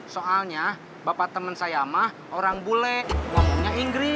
soalnya bapak temen saya mah orang bule ngomongnya inggris